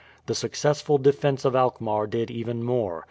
The successful defence of Alkmaar did even more.